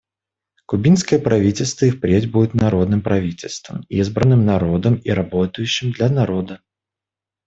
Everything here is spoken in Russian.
Кубинское правительство и впредь будет народным правительством, избранным народом и работающим для народа.